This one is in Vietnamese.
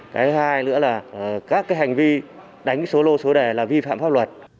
cái thứ hai nữa là các cái hành vi đánh số lô số đề là vi phạm pháp luật